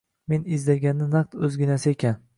Men izlaganni naq o'zginasi ekan.